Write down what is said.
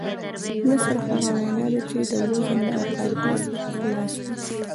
نثر هغه وینا ده، چي د وزن او قافيې څخه خلاصه وي.